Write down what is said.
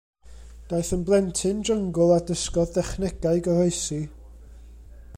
Daeth yn blentyn jyngl a dysgodd dechnegau goroesi.